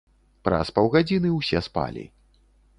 Праз паўгадзіны ўсе спалі.